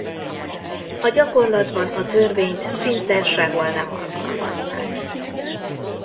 A gyakorlatban a törvényt szinte sehol nem alkalmazzák.